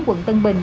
quận tân bình